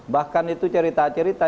bahkan itu cerita cerita